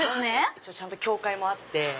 一応ちゃんと教会もあって。